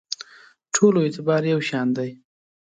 ټولو اعتبار یو شان دی.